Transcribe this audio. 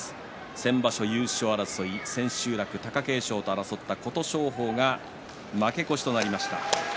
先場所優勝争い千秋楽、貴景勝と争った琴勝峰負け越しとなりました。